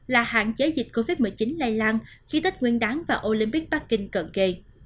là hạn chế dịch covid một mươi chín lây lan khi tết nguyên đáng và olympic parking cận kỳ